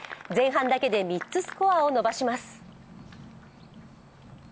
前半だけで３つスコアを伸ばします